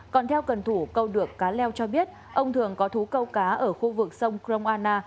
còn theo cần thủ câu được cá leo cho biết ông thường có thú câu cá ở khu vực sông cromana